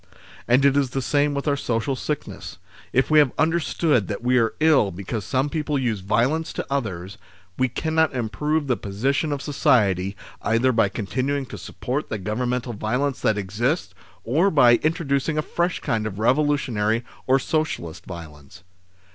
And it is the same with our social sickness. If we have understood that we are ill because some people use violence to others, we cannot improve the position of society either by con tinuing to support the Governmental viol ence that exists, or by introducing a fresh kind of revolutionary, or socialist violence.